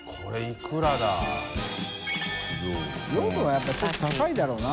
やっぱりちょっと高いだろうな。